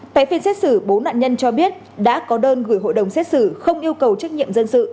tại phiên xét xử bốn nạn nhân cho biết đã có đơn gửi hội đồng xét xử không yêu cầu trách nhiệm dân sự